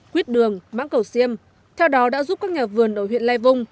quyết đường mãng cầu xiêm theo đó đã giúp các nhà vườn ở huyện lê vung